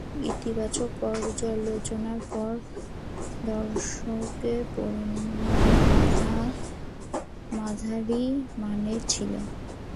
ইতিবাচক পর্যালোচনার পরও দর্শকের পরিমাণ মাঝারিমানের ছিল।